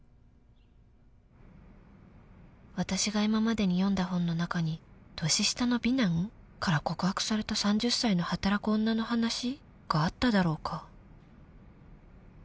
［私が今までに読んだ本の中に年下の美男？から告白された３０歳の働く女の話があっただろうか？］